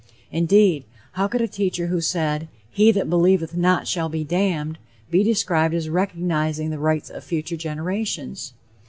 Indeed, how could a teacher who said, "He that believeth not shall be damned," he described as recognizing the rights of future generations?